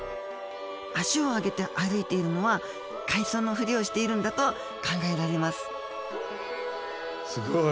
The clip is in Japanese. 足を上げて歩いているのは海藻のふりをしているんだと考えられますすごい！